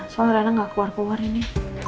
soalnya rena gak keluar keluar ini